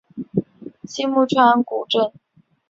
青木川古镇